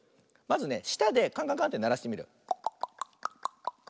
まずねしたでカンカンカンってならしてみるよ。